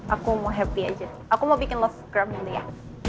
aku mau happy aja aku mau bikin lovegram dulu ya